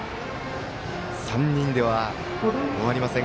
３人では終わりません。